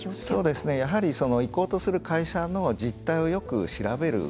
そうですね、やはり行こうとする会社の実態をよく調べる。